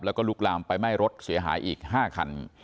แล้วก็ลุกลามไปไหม้รถเสียหายอีก๕คัน